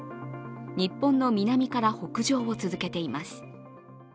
日本の南から北上を続けています。